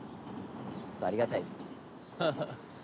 本当ありがたいですよ。